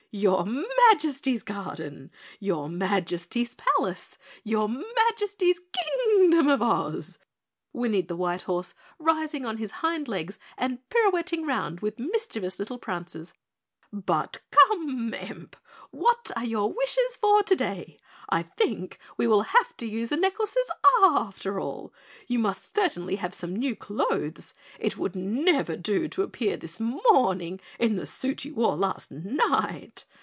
"Your Majesty's garden! Your Majesty's Palace, Your Majesty's Kingdom of Oz!" whinnied the white horse, rising on his hind legs and pirouetting round with mischievous little prances. "But come, Emp! What are your wishes for today? I think we will have to use the necklaces after all. You must certainly have some new clothes. It would never do to appear this morning in the suit you wore last night.